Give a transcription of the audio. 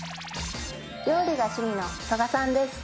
料理が趣味の曽我さんです。